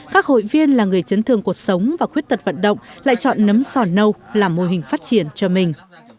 các hội viên là người chấn thương cuộc sống và khuyết tật vận động lại chọn nấm sò nâu làm mô hình phát triển cho mình